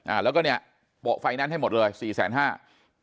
อ้าแล้วก็เนี่ยโปะไฟแนนซ์ให้หมดเลย๔๕๐๐๐บาท